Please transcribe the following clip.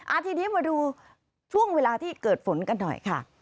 ทีนี้มาดูช่วงเวลาที่เกิดฝนกันหน่อยค่ะ